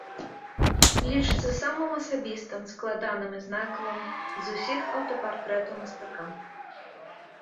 Лічыцца самым асабістым, складаным і знакавым з усіх аўтапартрэтаў мастака.